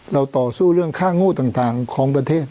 ต่อสู้เรื่องค่าโง่ต่างของประเทศ